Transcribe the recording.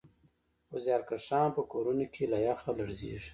خو زیارکښان په کورونو کې له یخه لړزېږي